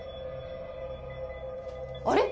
あれ？